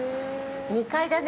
２階だね。